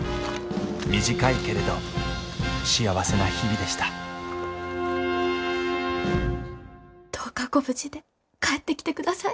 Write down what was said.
短いけれど幸せな日々でしたどうかご無事で帰ってきてください。